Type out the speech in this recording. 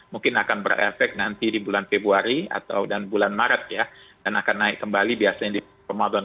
mungkin akan berefek nanti di bulan februari atau dan bulan maret ya dan akan naik kembali biasanya di ramadan